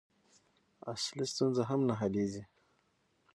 اصلي ستونزه هم نه حلېږي.